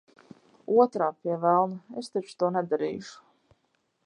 Otrā – pie velna, es taču to nedarīšu!